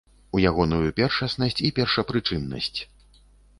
У ягоную першаснасць і першапрычыннасць.